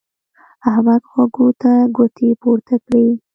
احمد غوږو ته ګوتې پورته کړې.